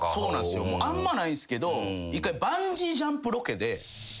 あんまないんすけど一回バンジージャンプロケで。